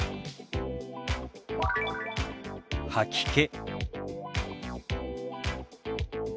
「吐き気」。